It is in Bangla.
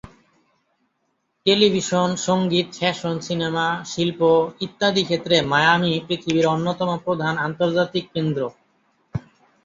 টেলিভিশন, সঙ্গীত, ফ্যাশন, সিনেমা, শিল্প ইত্যাদি ক্ষেত্রে মায়ামি পৃথিবীর অন্যতম প্রধান আন্তর্জাতিক কেন্দ্র।